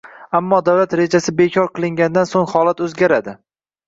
Ammo davlat rejasi bekor qilingandan so‘ng holat o‘zgaradi